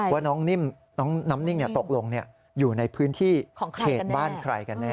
ว่าน้องน้ำนิ่งตกลงอยู่ในพื้นที่เขตบ้านใครกันแน่